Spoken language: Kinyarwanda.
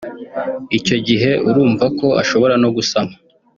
icyo gihe urumva ko ashobora no gusama